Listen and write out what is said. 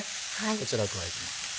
こちら加えていきます。